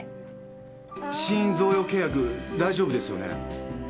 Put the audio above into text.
死因贈与契約大丈夫ですよね？